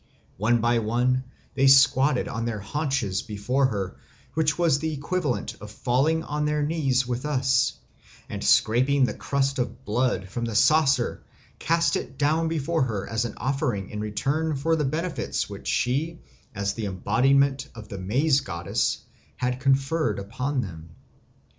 One by one they squatted on their haunches before her, which was the equivalent of falling on their knees with us, and scraping the crust of blood from the saucer cast it down before her as an offering in return for the benefits which she, as the embodiment of the Maize Goddess, had conferred upon them.